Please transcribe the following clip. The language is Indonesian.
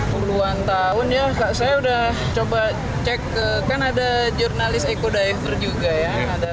puluhan tahun ya saya udah coba cek kan ada jurnalis eco diver juga ya